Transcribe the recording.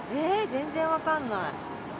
全然分かんない。